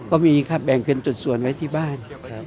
ก็มีครับแบ่งเป็นจุดส่วนไว้ที่บ้านครับ